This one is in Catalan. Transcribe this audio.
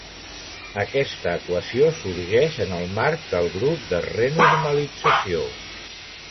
Aquesta equació sorgeix en el marc del grup de renormalització.